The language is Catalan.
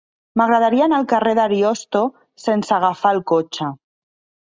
M'agradaria anar al carrer d'Ariosto sense agafar el cotxe.